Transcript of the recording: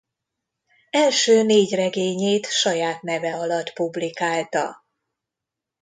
Első négy regényét saját neve alatt publikálta.